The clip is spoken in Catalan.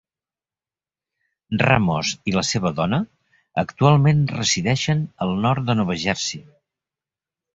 Ramos i la seva dona actualment resideixen al nord de Nova Jersey.